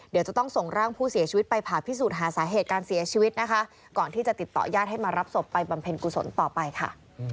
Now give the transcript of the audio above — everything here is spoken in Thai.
เดี๋ยวจะต้องส่งร่างผู้เสียชีวิตไปผ่าพิสูจน์หาสาเหตุการเสียชีวิตนะคะ